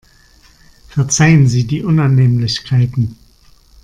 Verzeihen Sie die Unannehmlichkeiten.